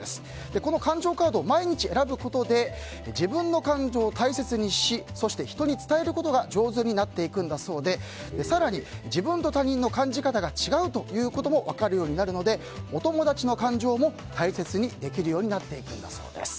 この感情カード、毎日選ぶことで自分の感情を大切にしそして人に伝えることが大事だそうで自分と他人の感情が違うということも分かるのでお友達の感情も大切にできるようになっていくんだそうです。